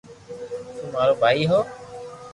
تو مارو ڀائي ھو